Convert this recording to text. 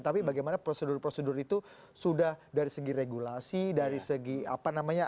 tapi bagaimana prosedur prosedur itu sudah dari segi regulasi dari segi apa namanya